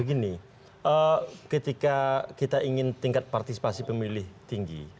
begini ketika kita ingin tingkat partisipasi pemilih tinggi